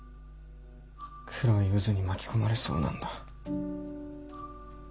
黒い渦に巻き込まれそうなんだ。